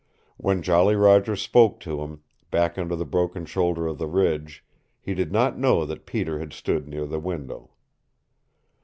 When Jolly Roger spoke to him, back under the broken shoulder of the ridge, he did not know that Peter had stood near the window.